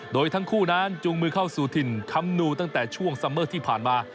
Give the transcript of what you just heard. โดยทั้งคู่นั้นจูงมือเข้าสู่ถิ่นคำนูตั้งแต่ช่วงซัมเมอร์ที่ผ่านมา